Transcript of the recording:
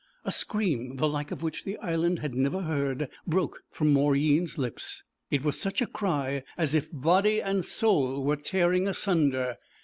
A scream, the like of which the Island had never heard, broke from Mauryeen's lips. It was such a cry as if body and soul were tearing asunder.